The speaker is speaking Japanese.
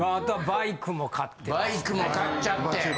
バイクも買っちゃって。